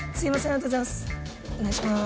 ありがとうございます。